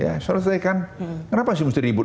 ya soalnya saya kan kenapa sih mesti ribut